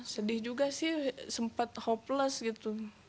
sedih juga sih sempat hopeless gitu